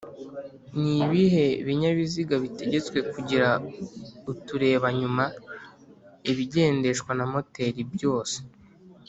Nibihe binyabiziga bitegetswe kugira uturebanyuma?ibigendeshwa n’amoteri byose